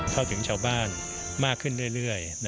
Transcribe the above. เข้าถึงชาวบ้านมากขึ้นเรื่อย